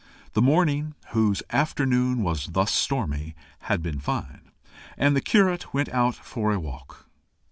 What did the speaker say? The morning, whose afternoon was thus stormy, had been fine, and the curate went out for a walk.